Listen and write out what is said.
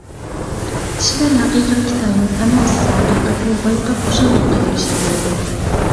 كىشىلەر ھەقىقەتكە تايىنىپ ئەمەس، ھەقىقەتنى بايقاپ خۇشاللىققا ئېرىشەلەيدۇ.